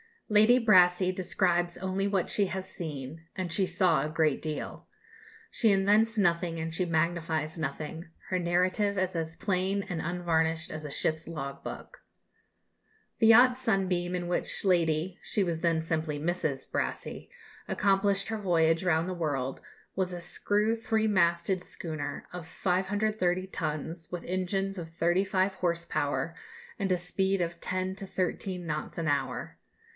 Lady Brassey describes only what she has seen and she saw a great deal. She invents nothing and she magnifies nothing; her narrative is as plain and unvarnished as a ship's log book. The yacht Sunbeam in which Lady (she was then simply Mrs.) Brassey accomplished her voyage round the world was a screw three masted schooner, of 530 tons, with engines of thirty five horse power, and a speed of 10 to 13 knots an hour.